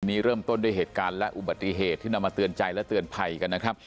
เริ่มต้นด้วยเหตุการณ์และอุบัติเหตุที่นำมาเตือนใจและเตือนภัยกันนะครับ